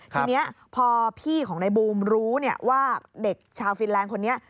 ทีนี้พอพี่ของนายบูมรู้ว่าเด็กชาวฟินแลนด์คนนี้